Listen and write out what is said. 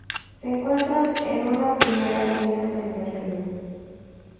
Se encuentran en una primera línea frente al río.